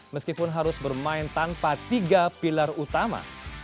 meskipun harus bermain tanpa tiga pilar utama